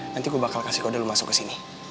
nanti gue bakal kasih kode lu masuk ke sini